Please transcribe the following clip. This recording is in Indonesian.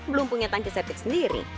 belum punya tangki septic sendiri